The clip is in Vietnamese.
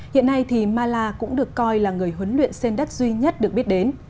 hiện nay thì mala cũng được coi là người huấn luyện sen đất duy nhất được biết đến